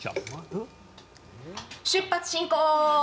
出発進行。